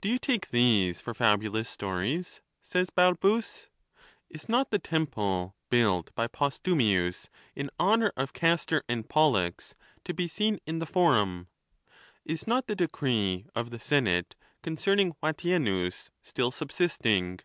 Do you take those for fabulous stories? says Balbus. Is not the temple, built by Posthumius in honor of Castor and Pollux, to bo seen in the Forum ? Is not the decree of the senate concerning Vatienus still subsisting?